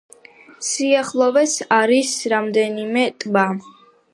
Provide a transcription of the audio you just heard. სიახლოვეს არის რამდენიმე ტბა.